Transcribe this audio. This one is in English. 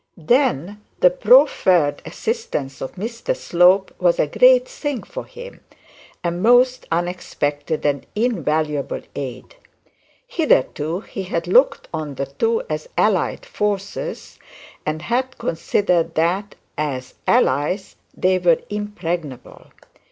Then the proffered assistance of Mr Slope was a great thing for him, a most unexpected and invaluable aid. Hitherto he had looked on the two as allied forces; and had considered that as allied they were impregnable.